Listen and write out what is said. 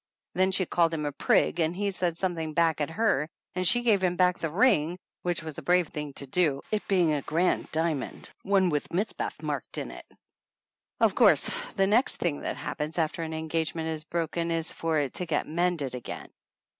Then she called him a prig and he said something back at her and she gave him back the ring, which was a brave thing to do, it being a grand dia mond one with Mizpath marked in it. Of course the next thing that happens after an engagement is broken is for it to get mended again.